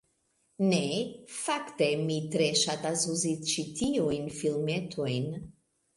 Ne, fakte, mi tre ŝatas uzi ĉi tiujn filmetojn